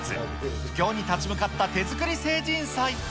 不況に立ち向かった手作り成人祭。